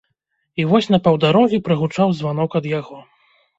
І вось на паўдарогі прагучаў званок ад яго.